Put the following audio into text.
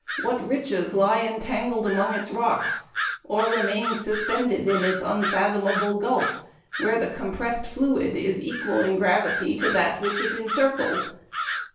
What riches lie entangled among its rocks, or remain suspended in its unfathomable gulf, where the compressed fluid is equal in gravity to that which it encircles."